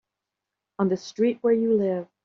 On the street where you live.